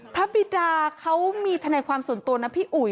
บิดาเขามีทนายความส่วนตัวนะพี่อุ๋ย